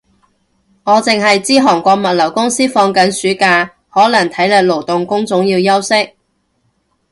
我剩係知韓國物流公司放緊暑假，可能體力勞動工種要休息